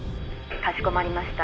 かしこまりました。